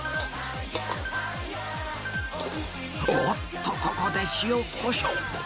おーっと、ここで塩こしょう。